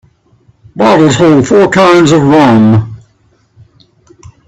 Bottles hold four kinds of rum.